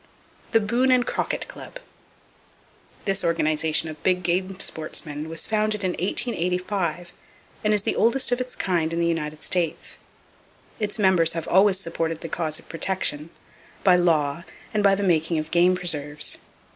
The Boone And Crockett Club. —This organization of big game sportsmen was founded in 1885, and is the oldest of its kind in the United States. Its members always have supported the cause of protection, by law and by the making of game preserves.